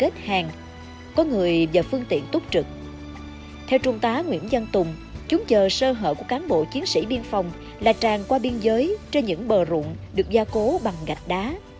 theo trung tá nguyễn văn tùng chúng chờ sơ hở của cán bộ chiến sĩ biên phòng là tràn qua biên giới trên những bờ rụng được gia cố bằng gạch đá